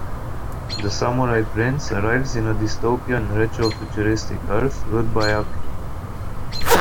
The samurai prince arrives in a dystopian retrofuturistic Earth ruled by Aku.